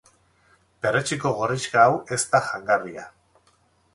Perretxiko gorrixka hau ez da jangarria.